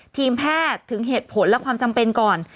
ทีมแพทย์ถึงเหตุผลและความจำเป็นก่อน